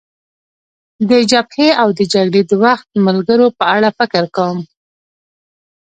د جبهې او د جګړې د وخت ملګرو په اړه فکر کوم.